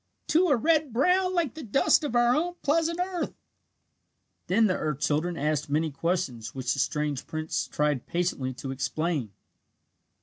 Two are red brown like the dust of our own pleasant earth!" Then the earth children asked many questions which the strange prince tried patiently to explain.